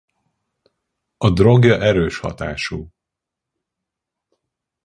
A drogja erős hatású!